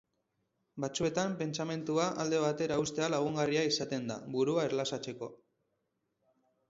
Batzuetan, pentsamendua alde batera uztea lagungarria izaten da, burua erlaxatzeko.